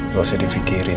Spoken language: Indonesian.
gak usah dipikirin